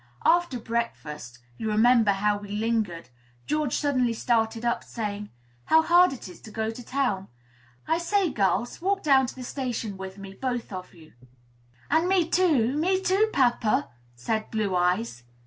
After breakfast, you remember how we lingered, George suddenly started up, saying, "How hard it is to go to town! I say, girls, walk down to the station with me, both of you." "And me too, me too, papa!" said Blue Eyes.